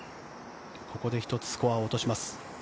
ここで１つスコアを落とします。